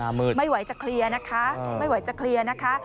มืดไม่ไหวจะเคลียร์นะคะไม่ไหวจะเคลียร์นะคะ